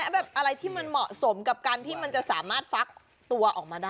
แบบอะไรที่มันเหมาะสมกับการที่มันจะสามารถฟักตัวออกมาได้